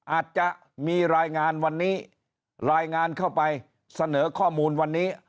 อาจจะมีรายงานวันนี้รายงานเข้าไปเสนอข้อมูลวันนี้